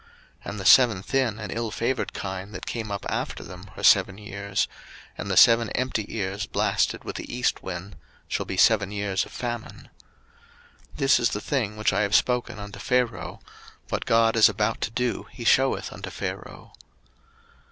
01:041:027 And the seven thin and ill favoured kine that came up after them are seven years; and the seven empty ears blasted with the east wind shall be seven years of famine. 01:041:028 This is the thing which I have spoken unto Pharaoh: What God is about to do he sheweth unto Pharaoh.